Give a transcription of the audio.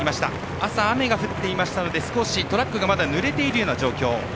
朝、雨が降っていたので少しトラックがまだぬれている状況。